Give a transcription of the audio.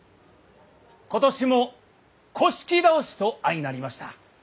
今年も倒しと相成りました。